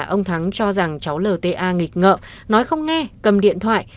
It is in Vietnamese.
ông thắng cho rằng cháu lta nghịch ngợ nói không nghe cầm điện thoại